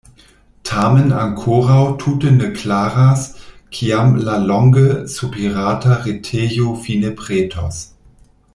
Tamen ankoraŭ tute ne klaras, kiam la longe sopirata retejo fine pretos.